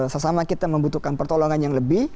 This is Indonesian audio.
sesama kita membutuhkan pertolongan yang lebih